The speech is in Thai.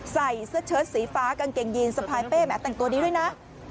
ใส่เสื้อเชิดสีฟ้ากางเกงยีนสะพายเป้แหมแต่งตัวดีด้วยนะ